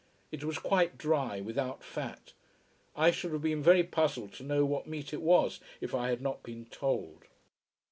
It was quite dry, without fat. I should have been very puzzled to know what meat it was, if I had not been told.